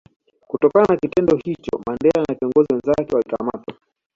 Kutokana na kitendo hicho Mandela na viongozi wenzake walikamatwa